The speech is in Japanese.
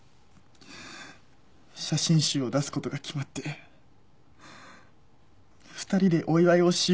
写真集を出す事が決まって２人でお祝いをしようって。